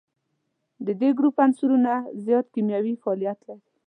د دې ګروپ عنصرونه زیات کیمیاوي فعالیت لري.